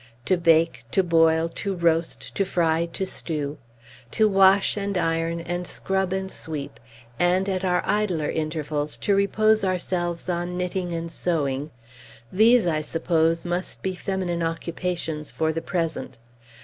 To bake, to boil, to roast, to fry, to stew, to wash, and iron, and scrub, and sweep, and, at our idler intervals, to repose ourselves on knitting and sewing, these, I suppose, must be feminine occupations, for the present.